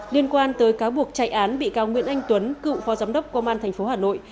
liên quan tới cáo buộc chạy án bị cáo nguyễn anh tuấn cựu phó giám đốc công an tp hà nội